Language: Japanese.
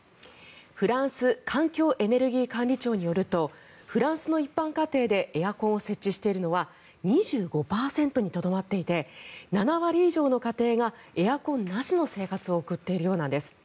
フランス環境エネルギー管理庁によるとフランスの一般家庭でエアコンを設置しているのは２５％にとどまっていて７割以上の家庭がエアコンなしの生活を送っているようなんです。